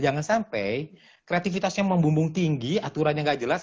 jangan sampai kreatifitasnya membumbung tinggi aturan yang gak jelas